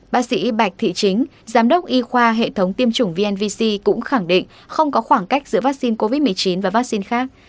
bác sĩ bạch thị chính giám đốc y khoa hệ thống tiêm chủng vnvc cũng khẳng định không có khoảng cách giữa vaccine covid một mươi chín và vaccine khác